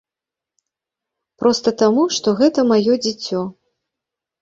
Проста таму, што гэта маё дзіцё.